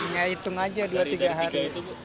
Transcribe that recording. ya hitung aja dua tiga hari